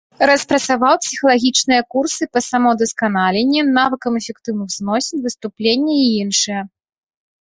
Распрацаваў псіхалагічныя курсы па самаўдасканаленні, навыкам эфектыўных зносін, выступлення і іншыя.